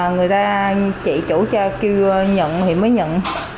người ta chị chủ kêu nhận thì mới nhận